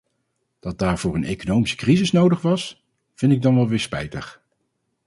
Dat daarvoor een economische crisis nodig was, vind ik dan wel weer spijtig.